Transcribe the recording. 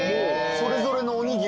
それぞれのおにぎりが。